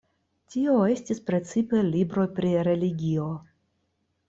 Tio estis precipe libroj pri religio.